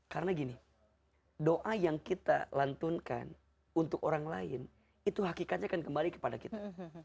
karena gini doa yang kita lantunkan untuk orang lain itu hakikatnya akan kembali kepada kita